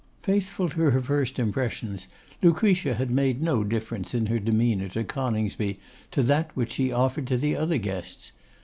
Faithful to her first impressions, Lucretia had made no difference in her demeanour to Coningsby to that which she offered to the other guests.